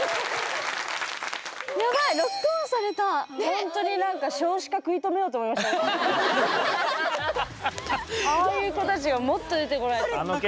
ほんとに何かああいう子たちがもっと出てこないと。